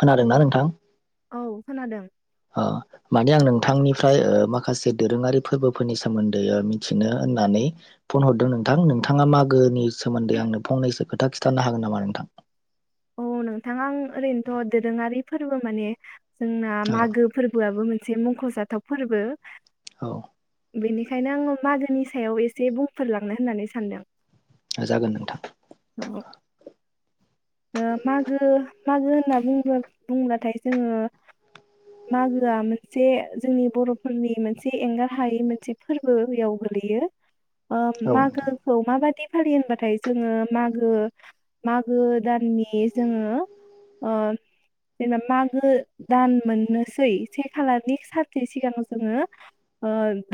खोनादोंना नोंथां? औ खोनादों माने आं नोंथांनिफ्राय माखासे दोरोङारि फोरबोफोरनि सोमोन्दै मिथिनो होननानै फन हरदों नोंथां नोंथाङा मागोनि सोमोन्दै आंनो फंनैसो खोथा खिन्थानो हागोन नामा नोंथां औ नोंथाङा आं ओरैनोथ' दोरोङारि फोरबो माने जोंना औ मागो फोरबोआबो मोनसे मोनसे मुंख'जाथाव फोरबो औ बेनिखायनो आङो मागोनि सायाव एसे बुंफोरलांनो होननानै सानदों जागोन नोंथां औ मागो मागो होनना बुंब्लाथाय जोङो मागोआ मोनसे जोंनि बर'फोरनि मोनसे एंगार हायै मोनसे फोरबो बेयाव गोलैयो औ नोंथां मागोखौ माबादि फालियो होनबाथाय जोङो मागो मागो दाननि जोङो जेनबा मागो दान मोननोसै से खालनि सानसे सिगां जोङो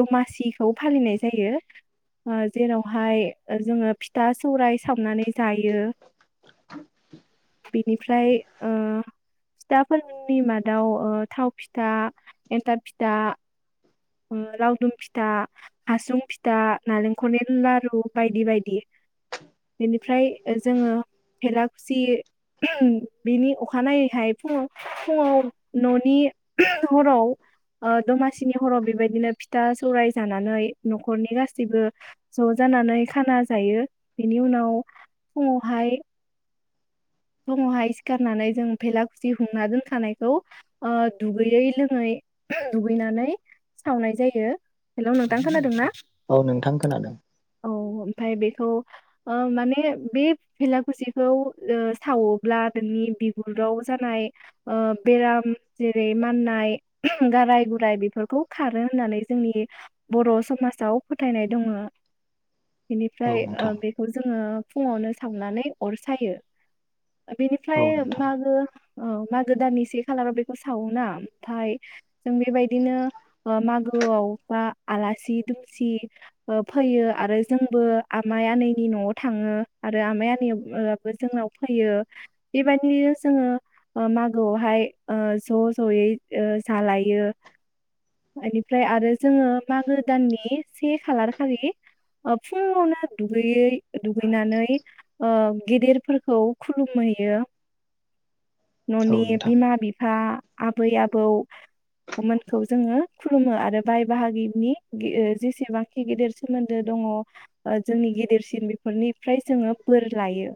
दमासिखौ फालिनाय जायो जेरावहाय जोङो फिथा सौराइ सावनानै जायो बेनिफ्राय फिथाफोरनि मादाव थाव फिथा एन्थाब फिथा लावदुम फिथा हासुं फिथा नालेंखलनि लारु बायदि बायदि बेनिफ्राय जोङो भेलाग खुसि बिनि अखानायैहाय फुङाव फुङाव न'नि हराव दमासिनि हराव बेबायदिनो फिथा सौराय जानानै न'खरनि गासैबो ज' जानानै खाना जायो बेनि उनाव फुङावहाय [unintelligible] सिखारनानै जों भेला खुसि हुंना दोनखानायखौ ओ दुगैयै लोङै दुगैनानै सावनाय जायो हेल' नोंथां खोनादों ना? औ नोंथां खोनादों। औ ओमफ्राय बेखौ ओ माने बे भेलाखुसिखौ ओ सावोब्ला [unintelligible] बिगुराव जानाय ओ बेराम जेरै माननाय गाराय गुराय बिफोरखौ खारो होननानै जोंनि बर' समासाव फोथायनाय [unintelligible] औ बेनिफ्राय ओ नोंथां बेखौ ज जोङो फुङावनो सावनानै अर सायो। ओ औ बिनिफ्राय नोंथां मागो औ मागो दाननि से खालाराव बेखौ सावोना [unintelligible] जों बेबायदिनो ओ मागोआव बा आलासि दुमसि ओ फैयो आरो जोंबो आमाइ आनैनि न'आव थाङो आरो आमाइ [unintelligible] जोंनाव फैयो [unintelligible] जोङो ओ मागोआवहाय ओ ज' ज'यै ओ जालायो ओनिफ्राय आरो जोङो मागो दाननि से खालार खालि ओ फुङावनो दुगैयै दुगैनानै ओ गेदेरफोर खौ खुलुमहैयो। औ न'नि नोंथां बिमा बिफा आबै आबौमोनखौ जोङो खुलुमो आरो बाय बाहागिनि [unintelligible] जेसेबांखि गिदिर सोमोन्दो दङ ओ जोंनि गिदिरसिन बेफोरनिफ्राय जोङो बोर लायो।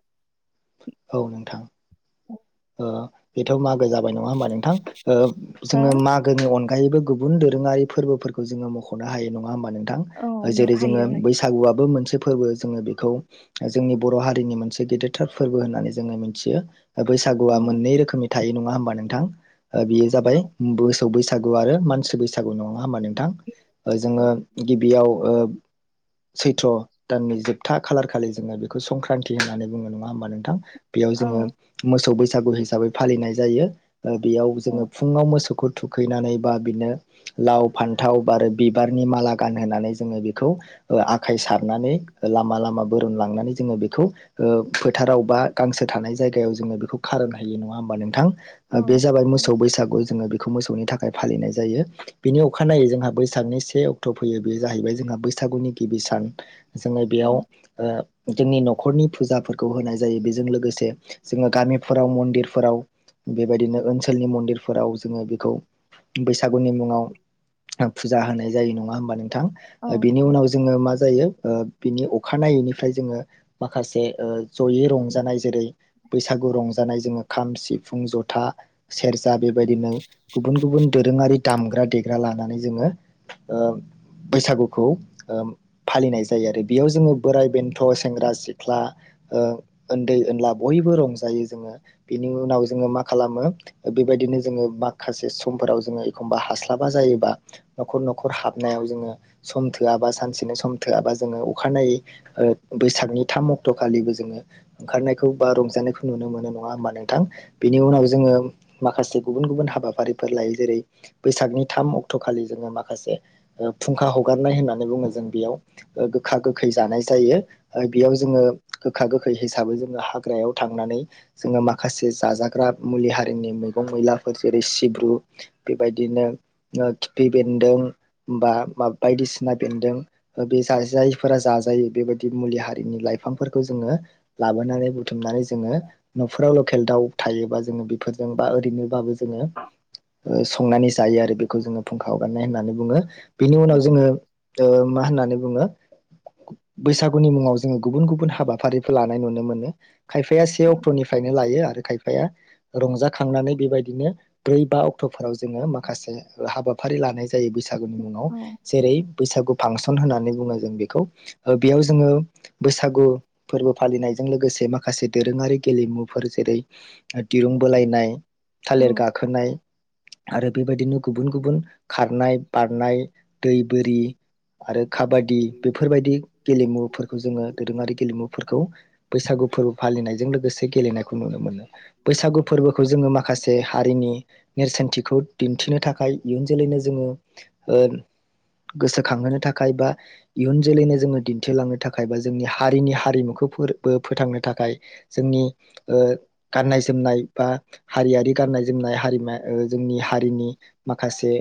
औ नोंथां [unintelligible] [unintelligible] बेथ' मागो जाबाय नङा होमबा नोंथां? [unintelligible] हो जोङो मागोनि अनगा गायैबो गुबुन दोरोङारि फोरबोफोरखौ जोङो मख'नो हायो नङा होमबा नों थां औ नों जेरै जोङो हायो बैसागुआबो मोनसे [unintelligible] फोरबो जोङो बेखौ जोंनि बर' हारिनि मोनसे गेदेरथार फोरबो होन [unintelligible] जोङो मिनथियो ओ औ बैसागुआ मोननै रोखोमनि थायो नङा होमबा नोंथां? ओ बेयो जाबाय बोस [unintelligible] बैसागु आरो मानसि बैसागु नङा होमबा नों थां ओ जोङो नंगौ गिबियाव ओ सैथ्र' दाननि जोबथा खालारखालि जोङो बेखौ संक्रान्ति होननानै बुङो नङा होमबा नोंथां? बेयाव औ जोङो मोसौ बैस सागु हिसाबै फालिनाय जायो ओ बेयाव औ जोङो फुङाव मोसौखो थुखैनानै बा बिनो लाव फान्थाव बारो बिबारनि माला गानहोनानै जोङो बिखौ आखाय सारनानै लामा लामा बोरोमलांनानै जोङो बिखौ ओ फोथाराव बा गांसो थानाय जायगायाव जोङो बिखौ खारोन हायो नङा होमबा नोंथां ओ बे औ जाबाय मोसौ बैसागु जोङो बि खौ मोसौनि थाखाय फालिनाय जायो बेनि अखानायै जोंहा बैसागनि से अक्थ' फैयो बे जाहैबाय जोंहा बैसागुनि गिबि सान। जोङो औ बेयाव ओ जोंनि न' खरनि फुजाफोरखौ होनाय जायो बेज जों लोगोसे जोङो गामिफोराव मन्दिरफोराव बेबायदिनो ओनसोलनि मन्दिरफोराव जोङो बेखौ बैस सागुनि मुङाव फुजा होनाय जायो नङा होनबा नोंथां औ बिनि नंगौ उनाव जोङो मा जायो बिनि अखानायैनिफ्राय जोङो माखासे जयै रं जेरै बैसागु रंजानाय जोङो खाम सिफुं जथा सेरजा बेबायदिनो गुबुन गुबुन दोरोङारि दामग्रा देग्रा लानानै जोङो बैसागुखौ फालिनाय जायो आरो बेयाव जोङो बोराइ बेन्थ सेंग्रा सिख्ला ओ उन्दै ओनला बयबो रंजायो जोङो बेनि उनाव जोङो मा खालामो बेबायदिनो जोङो माखासे समफोराव जोङो एखमबा हास्लाबा जायोबा नखर नखर हाबनायाव जोङो सम थोआबा सानसेनो सम थोआबा जोङो अखानायै बैसागनि थाम अक्टखालिबो जोङो ओंखारनायखौ बा रं जानायखौ नुनो मोनो नङा होमबा नोंथां बिनि उनाव जोङो माखासे गुबुन गुबुन हाबाफारिफोर लायो जेरै बैसागनि थाम अक्टखालि जोङो माखासे फुंखा हगारनाय होननानै बुङो जों बेयाव गोखा गोखै जानाय जायो बेयाव जोङो गोखा गोखै हिसाबै जोङो हाग्रायाव थांनानै जोङो माखासे जाजाग्रा मुलि हारिनि मैगं मैलाफोर जेरै सिब्रु बेबायदिनो खिफि बेन्दों बा बायदिसिना बेन्दों बे [unintelligible] जायफोरा जाजायो बेबायदि मुलि हारिनि लाइफांफोरखौ जोङो लाबोनानै बुथुमनानै जोङो नखराव लकेल दाउ थायोबा जोङो बेफोरजों बा ओरैनोबाबो जोङो संनानै जायो आरो बेखौ जोङो फुंखा हगारनाय होननानै बुङो बिनि औ उनाव जोङो मा होननानै बुङो बैसागुनि मुङाव जोङो गुबुन गुबुन हाबाफारि नुनो मोनो खायफाया से अक्टनिफ्रायनो लायो आरो खायफाया रंजाखांनानै बेबायदिनो ब्रै बा अक्टफोराव जोङो माखासे हाबाफारि लानाय बैसागुनि मुंआव औ जेरै बैसागु फांसन होननानै बुङो जों बेखौ बेयाव जोङो बैसागु फोरबो फालिनायजों लोगोसे माखासे दोरोङारि गेलेमुफोर जेरै दिरुं बोलायनाय थालिर गाखोनाय आरो बेबायदिनो गुबुन गुबुन खारनाय बारनाय दै बोरि आरो खाबादि बेफोरबायदि गेलेमुफोरखौ जोङो दोरोङारि गेलेमु फोरखौ बैसागु फोरबो फालिनायजों लोगोसे गेलेनायखौ नुनो मोनो बैसागु फोरबोखौ जोङो माखासे हारिनि नेरसोनथिखौ दिन्थिनो थाखाय इयुन जोलैनो जोङो गोसोखांहोनो थाखाय बा इयुन जोलैनो जोङो दिन्थिलांनो थाखाय बा जोंनि हारिनि हारिमुखौ फोथांनो थाखाय जोंनि गाननाय जोमनाय बा हारियारि गाननाय जोमनाय हारिम जोंनि हारिनि माखासे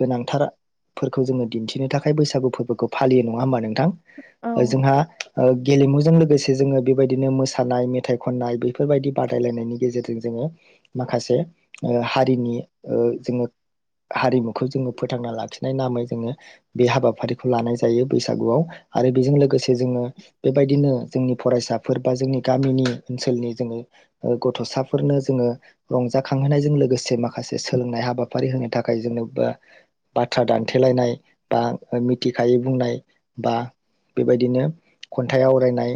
गोनांथारफोरखौ जोङो दिन्थिनो थाखाय बैसागु फोरबोखौ फालियो नङा होमबा नों थां ओ औ जोंहा ओ गेलेमुजों लोगोसे जोङो बेबायदिनो मोसानाय मेथाइ खननाय बेफोरबायदि बादायलायनायनि गेजेरजों जोङो माखासे ओ हारिनि ओ जोङो हारिमुखौ जोङो फोथांना लाखिनाय नामै जोङो बे हाबाफारिखौ लानाय जायो बैसागुआव आरो बेजों लोगोसे जोङो बेबायदिनो जोंनि फरायसाफोर बा जोंनि गामिनि ओनसोलनि जोङो ओ गथसाफोरनो जोङो रंजाखांहोनायजों लोगोसे माखासे सोलोंनाय हाबाफारि होनो थाखाय जेनबा बाथ्रा दानथेलायनाय बा मिथिखायै बुंनाय बा बेबायदिनो। खन्थाइ आवरायनाय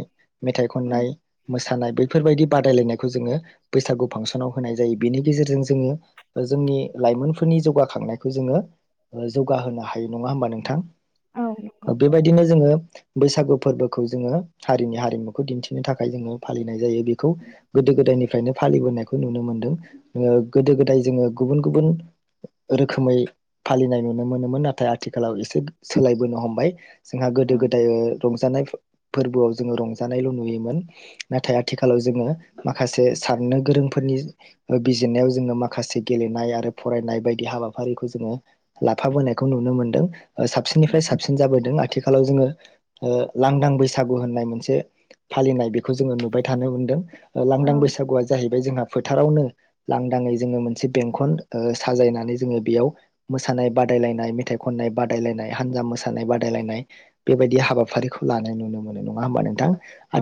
मेथाइ औ खननाय मोसानाय बैफोरबायदि बादायलायनायखौ जोङो बैसागु फांसनाव होनाय जायो बेनि गेजेरजों जोङो जोंनि लाइमोनफोरनि जौगाखांनाय खौ जोङो जौगाहोनो हायो नङा होमबा नोंथां औ नंगौ बेबायदिनो जोङो बैसागु फोरबो खौ जोङो हारिनि हारिमुखौ दिन्थि नो थाखाय जोङो फालिनाय जायो बेखौ गोदो गोदायनि फ्रायनो फालिबोनायखौ नुनो मोन्दों ओ गोदो गोदाय जोङो गुबुन गुबुन रोखोमै फालिनाय नुनो मोनोमोन नाथाय आथिखालाव एसे सोलायबोनो हमबाय। जोंहा गोदो औ गोदाय। रंजानाय फो फोरबोआव जोङो रंजानायल' नुयोमोन नाथाय आथिखालाव जोङो माखासे साननो गोरोंफोरनि बिजिरनायाव जोङो माखासे। गेलेनाय आरो फरायनाय बायदि हाबाफारिखौ जोङो। लाफाबोनायखौ नुनो मोनदों ओ साबसिननिफ्राय साबसिन जाबोदों। आथिखालाव जोङो ओ लांदां बैसागु होननाय मोनसे फालिनाय बे खौ जोङो नुबाय थानो मोनदों लांदां औ बैसागुआ जाहैबाय जोंहा। फोथारावनो लांदाङै जोङो मोनसे बेंखन ओ साजायनानै जोङो बेयाव मोसानाय बादायलायनाय मेथाइ खननाय बादायलायनाय हान्जा मोसानाय बादायलायनाय बेबायदि हाबाफारिखौ लानाय नु नुनो मोनो नङा होमबा नोंथां।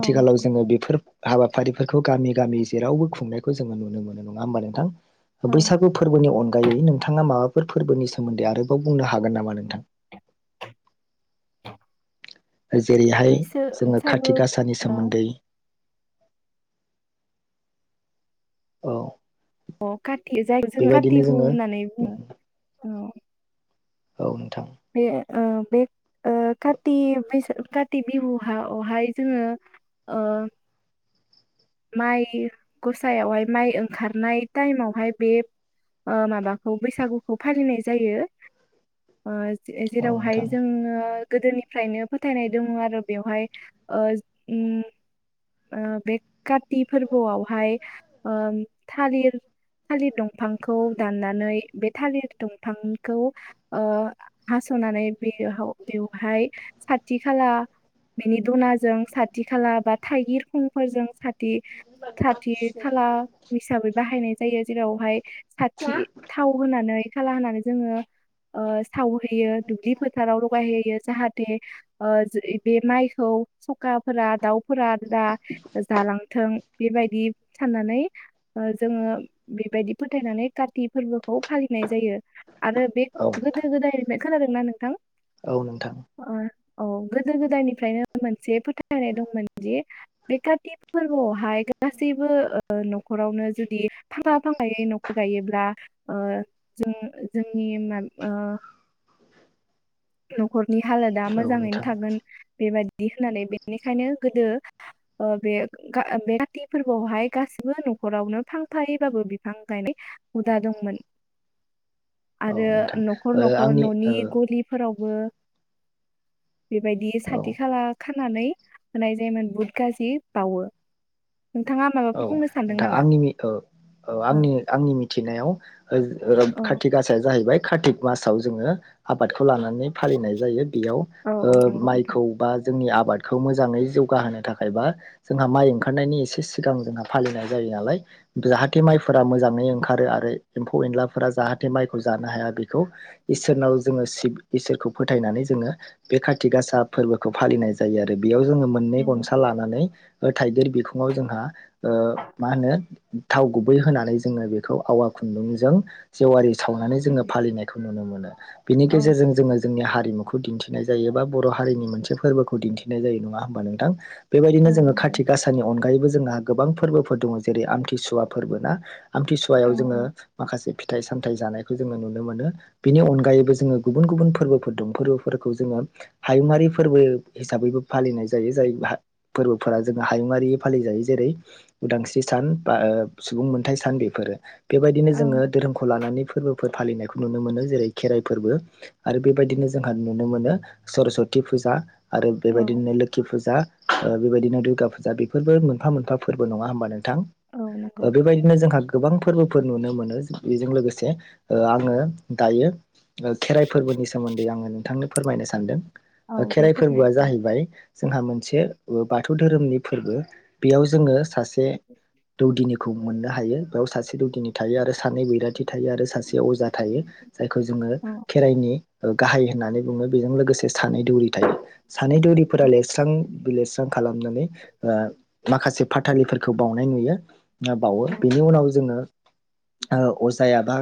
औ जोङो बेफोर हाबा फारिफोरखौ गामि गामि। जेरावबो खुंनायखौ जोङो नुनो मोनो। नङा होमबा नोंथां। औ बैसागु फोरबोनि अनगायै नों नोंथाङा माबाफोर फोरबोनि सोमोन्दै आरोबाव बुंनो हागोन नामा नोंथां? जेरैहाय। बैसो जोङो बैसागु खारति गासानि औ सोमोन्दै। [inaudible] औ अ काति जाय जों बेबायदिनो काति बिहु जोङो होननानै बुङो औ। औ नोंथां। बे ओ बे ओ काति बैसा काति बिहुआव हाय जोङो ओ माइ गसायावहाय माइ ओंखारनाय टाइमावहाय बे ओ माबाखौ बैसागुखौ फालिनाय जायो ओ औ जेरावहाय नोंथां जोङो गोदोनिफ्रायनो फोथायनाय दङ' आरो बेवहाय ओ ओम ओ बे काति फोरबोआवहाय ओ थालिर थालिर दंफांखौ दाननानै बे थालिर दंफांखौ ओ हास'नानै बेहाव बेवहाय साथि खाला बेनि दुनाजों साथि खाला बा थाइगिर खुंफोरजों दि खाथि खाला हिसाबै बाहायनाय जायो जेरावहाय साथि थाव होनानै खाला होननानै जोङो ओ थाव होयो दुब्लि फोथाराव लगायहैयो जाहा दि ओ बे माइखौ सखाफोरा दाउफोरा दा जालांथों बेबायदि साननानै ओ जोङो बेबायदि फोथायनानै काति फोरबो खौ फालिनाय जायो आरो बे औ नोंथां गोदो गोदायनिफ्राइ खोनादों ना नोंथां औ नोंथां ओ, औ गोदो गोदाननिफ्रायनो मोनसे फोथायनाय दंमोनदि बे काति फोरबोआवहाय गासैबो ओ ओ न'खरावनो जुदि [unintelligible] गायोब्ला ओ जों जोंनि [unintelligible] नखर नि हालोदा औ मोजाङैनो नोंथां थागोन बेबायदि बिदि होननानै बेनिखायनो गोदो ओ बे बे काति फोरबोआवहाय गासिबो न'खरावनो फांफायैबाबो बिफां गायनाय हुदा दंमोन औ आरो नोंथां न'खर ओ न'खर आंनि न'नि ओ गलिफोराव बो बेबायदि औ साथि खाला खा होननानै होनाय जायोमोन बुहुत गाज्रि बावो नोंथाङा औ माबाफोर बुंनो सानदों दा नामा? आंनि नि ओ ओ औ आंनि आंनि मिथिनायाव ओ ओ औ काति गासाया जाहैबाय कातिक मासाव जोङो आबादखौ लानानै फालिनाय जायो बेयाव औ ओ औ नंगौ नोंथां। माइखौ बा जोंनि आ बादखौ मोजाङै जौगाहोनो थाखाय बा जोंहा माइ ओंखारनायनि एसे सि गां जोंहा फालिनाय जायो नालाय जाहाथे माइफोरा मोजाङै ओंखारो आरो एम्फौ एनलाफोरा जाहाथे माइखौ जानो हाया बेखौ इसोरनाव जोङो इसोरखौ फोथायनानै जोङो बे काति गासा फोरबोखौ फालिनाय जायो आरो बेयाव जोङो मोननै गनसा लानानै थाइगिर बिखुङाव जोंहा ओ माहोनो थाव गुबै होनानै जोङो बेखौ आवा खुन्दुंजों जेवारि सावनानै जोङो फालिनायखौ नुनो मोनो बिनि औ गेजेरजों जोङो जोंनि हारिमुखौ दिन्थिनाय जायो बा बर' हारिनि मोनसे फोरबोखौ दिन्थिनाय जायो नङा हबा नोंथां? बेबायदिनो जोङो नंगौ खाथि गासानि अन ओगायबो जोंहा गोबां फोरबोफोर दङ जेरै आमथिसुवा फोरबो ना आमथिसुवायाव औ जोङो औ माखासे फिथाइ सामथाइ जानायखौ जोङो नुनो मोनो बेनि अनगायैबो जोङो गुबुन गुबुन फोरबोफोर दं फोरबोफोरखौ जोङो हायुङारि फोरबो हिसाबैबो फालिनाय जायो जाय फोरबोफोरा जोङो हायुङारि फालिजायो जेरै उदांस्रि सान बा सुबुं मोनथाय सान बेफोरो बेबायदिनो जोङो औ धोरोमखौ लानानै फोरबोफोर फालिनायखौ नुनो मोनो जेरै खेराइ फोरबो आरो बेबायदिनो जोंहा नुनो मोनो सरसति फुजा आरो बेबायदिनो लोखि फुजा ओ बेबायदिनो दुर्गा फुजा बेफोरबो मोनफा मोनफा फोरबो नङा होमबा नोंथां औ नंगौ ओ बेबायदिनो जोंहा गोबां फोरबोफोर नुनो मोनो बेजों लोगोसे ओ आंङो दायो खेराइ फोरबोनि सोमोन्दै आंङो नोंथांनो फोरमायनो सानदों औ दे खेराइ फोरमाय फोरबोआ जाहैबाय जोंहा मोनसे बाथौ धोरोमनि फोरबो बेयाव जोंङो सासे दौदिनिखौ मोननो हायो। बेयाव सासे दौदिनि थायो आरो सानै बैराथि थायो आरो सासे अजा थायो जायखौ जोंङो नोंथां खेराइनि गाहाय होननानै बुङो बेजों लोगोसे सानै दौरि थायो सानै दौरिफोरा लिरस्रां बिलिरस्रां खालामनानै माखासे फाथालिफोरखौ बावनाय नुयो। बावो बेनि उनाव जोंङो ओ अजाया बा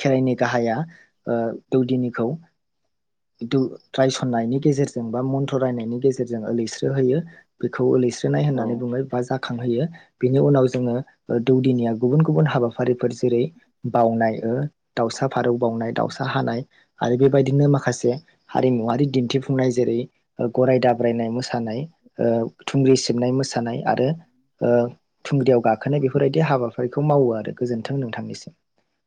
खेराइनि गाहाया ओ दौदिनिखौ दौ रायसननायनि गेजेरजों बा मन्थ्र' रायनायनि गेजेरजों लैस्रो होयो बेखौ ओलैसो नाय औ होननानै बुंङो बा जाख खांहोयो बेनि उनाव जोंङो दौदिनिया गुबुन गुबुन हाबाफारिफोर जेरै बावनाय दाउसा फारौ बावनाय दाउसा हानाय आरो बेबायदिनो माखासे हारिमुवारि दिन्थिफुंनाय जेरै गराय दाब्रायनाय मोसानाय, थुंग्रि सिबनाय मोसानाय आरो थुंग्रियाव गाखोनाय बेफोरबायदि हाबाफारिखौ मावो। मावो आरो गोजोन्थों नोंथांनिसिम।